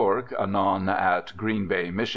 anon at Green Bay, Mich.